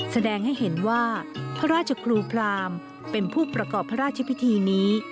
แสดงให้เห็นว่าพระราชครูพรามเป็นผู้ประกอบพระราชพิธีนี้